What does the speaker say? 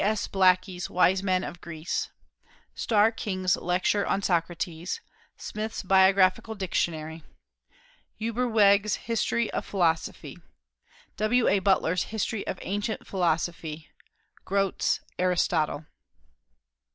S. Blackie's Wise Men of Greece; Starr King's Lecture on Socrates; Smith's Biographical Dictionary; Ueberweg's History of Philosophy; W.A. Butler's History of Ancient Philosophy; Grote's Aristotle.